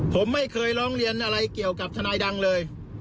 ผมไม่เคยร้องเรียนอะไรเกี่ยวกับทนายดังเลย